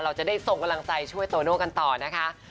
เราจะได้ส่งกำลังใจช่วยโตโน่กันต่อนะคะ